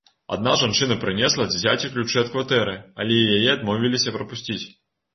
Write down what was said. Адна жанчына прынесла дзіцяці ключы ад кватэры, але і яе адмовіліся прапусціць.